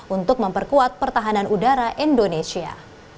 untuk memperkuat pertahanan udara indonesia